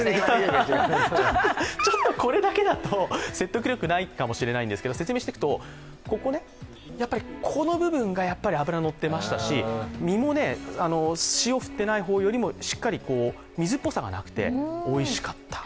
これだけだと説得力ないかもしれないんですけど説明しておくとこの部分が脂がのっていましたし、身も塩を振っていないよりもしっかり水っぽさがなくておいしかった。